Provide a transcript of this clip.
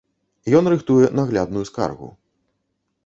Ён рыхтуе наглядную скаргу.